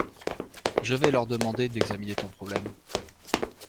Je vais leur demander d’examiner ton problème.